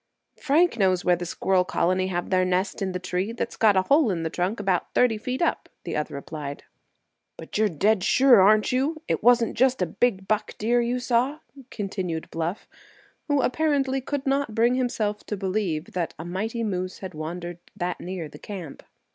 "Frank knows where that squirrel colony have their nest in the tree that's got a hole in the trunk about thirty feet up," the other replied. "But you're dead sure, are you, it wasn't just a big buck deer you saw?" continued Bluff, who apparently could not bring himself to believe a mighty moose had wandered that near the camp.